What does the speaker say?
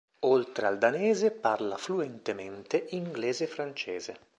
Oltre al danese, parla fluentemente inglese e francese.